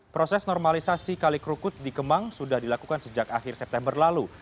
proses normalisasi kali kerukut di kemang sudah dilakukan sejak akhir september lalu